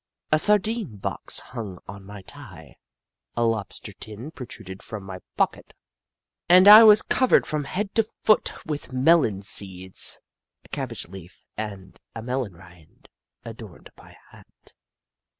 A sardine box hung on my tie, a lobster tin protruded from my pocket, and I was covered from head to foot with melon seeds. A cabbage leaf and a melon rind adorned my hat.